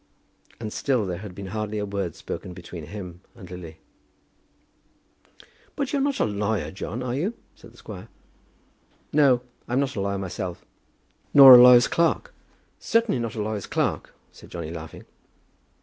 And still there had been hardly a word spoken between him and Lily. "But you're not a lawyer, John; are you?" said the squire. "No. I'm not a lawyer myself." "Nor a lawyer's clerk?" "Certainly not a lawyer's clerk," said Johnny, laughing.